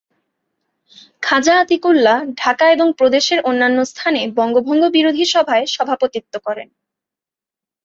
খাজা আতিকুল্লাহ ঢাকা এবং প্রদেশের অন্যান্য স্থানে বঙ্গভঙ্গ বিরোধী সভায় সভাপতিত্ব করেন।